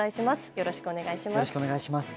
よろしくお願いします。